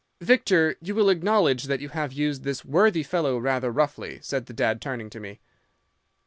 "'"Victor, you will acknowledge that you have used this worthy fellow rather roughly," said the dad, turning to me.